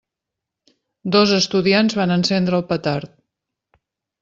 Dos estudiants van encendre el petard.